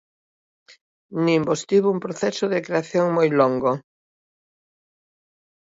Nimbos tivo un proceso de creación moi longo.